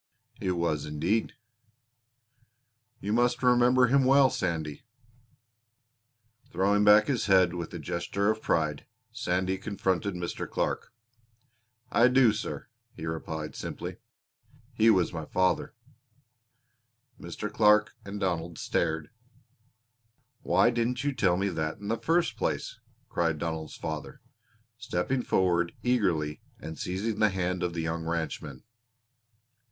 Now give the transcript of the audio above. "It was indeed." "You must remember him well, Sandy." Throwing back his head with a gesture of pride, Sandy confronted Mr. Clark. "I do, sir," he replied simply. "He was my father." Mr. Clark and Donald stared. "Why didn't you tell me that in the first place?" cried Donald's father, stepping forward eagerly and seizing the hand of the young ranchman.